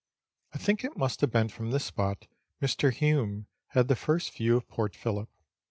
I think it must have been from this spot Mr. Hume had the first view of Port Phillip.